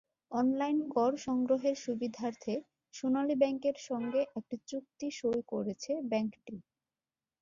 Online কর সংগ্রহের সুবিধার্থে সোনালী ব্যাংকের সঙ্গে একটি চুক্তি সই করেছে ব্যাংকটি।